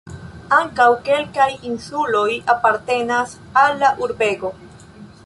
Ankaŭ kelkaj insuloj apartenas al la urbego.